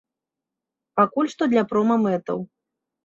Пакуль што для прома-мэтаў.